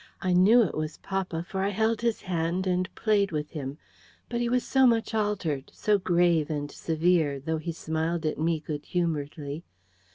I knew it was papa; for I held his hand and played with him. But he was so much altered, so grave and severe; though he smiled at me good humouredly.